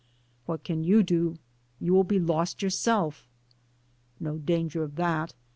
"What can you do? You will be lost yourself." *'No danger of that.